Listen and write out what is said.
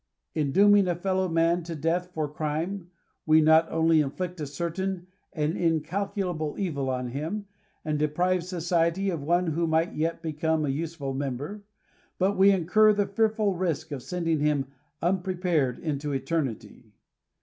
In dooming a fellow man to death for crime, we not only inflict a certain and incalculable evil on him, and deprive society of one who might yet become a useful member, but we incur the fearful risk of sending him unprepared into eternity.